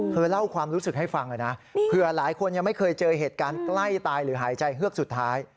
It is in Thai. เล่าความรู้สึกให้ฟังเลยนะเผื่อหลายคนยังไม่เคยเจอเหตุการณ์ใกล้ตายหรือหายใจเฮือกสุดท้าย